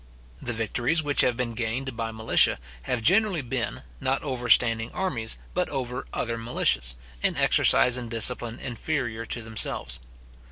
The victories which have been gained by militias have generally been, not over standing armies, but over other militias, in exercise and discipline inferior to themselves.